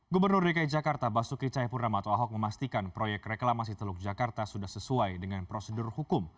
gubernur dki jakarta basuki cahayapurnama atau ahok memastikan proyek reklamasi teluk jakarta sudah sesuai dengan prosedur hukum